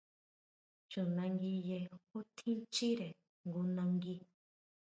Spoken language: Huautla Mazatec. Chjunanguiye jú tjín chíre jngu nangui.